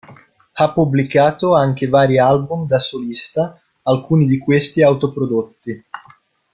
Ha pubblicato anche vari album da solista alcuni di questi autoprodotti.